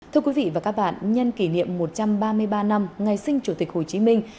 thưa quý vị và các bạn nhân kỷ niệm một trăm ba mươi ba năm ngày sinh chủ tịch hồ chí minh